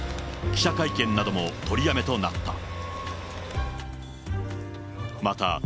記者会見なども取りやめとなった。